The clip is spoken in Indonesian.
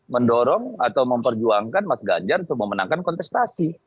mendorong atau memperjuangkan mas ganjar untuk memenangkan kontestasi